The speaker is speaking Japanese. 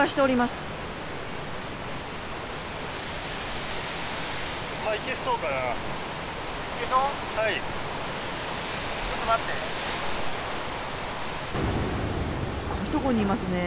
すごいとこにいますね。